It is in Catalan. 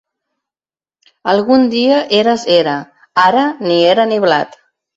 Algun dia eres era; ara, ni era ni blat.